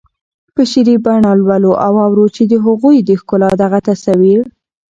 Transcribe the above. په شعري بڼه لولو او اورو چې د هغوی د ښکلا دغه تصویر